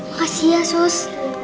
makasih ya sus